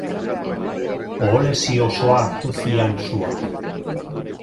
Oholesi osoa hartu zian suak.